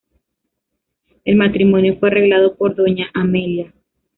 El matrimonio fue arreglado por Doña Amelia.